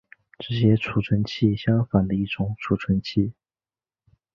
只写存储器相反的一种存储器。